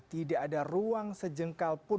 tidak ada ruang sejengkal pun